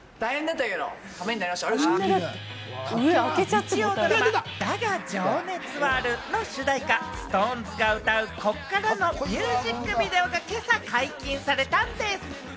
日曜ドラマ『だが、情熱はある』の主題歌、ＳｉｘＴＯＮＥＳが歌う『こっから』のミュージックビデオが今朝解禁されたんでぃす！